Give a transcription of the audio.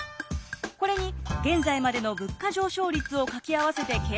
これに現在までの物価上昇率を掛け合わせて計算すると。